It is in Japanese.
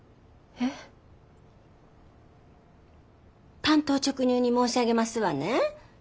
単刀直入に申し上げますわね。